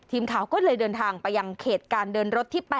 ทีมข่าวก็เลยเดินทางไปยังเขตการเดินรถที่๘